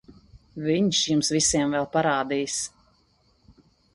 Viņš jums visiem vēl parādīs...